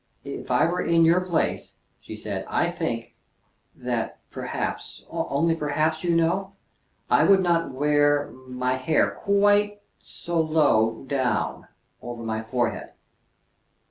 "If I were in your place," she said, "I think that, perhaps only perhaps, you know I would not wear my hair quite so low down over my forehead."